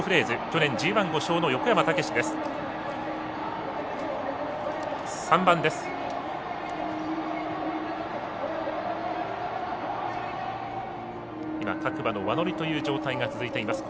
去年ＧＩ、５勝の横山武史です。